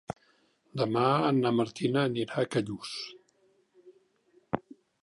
Demà na Martina anirà a Callús.